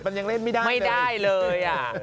มันยังเล่นไม่ได้เลย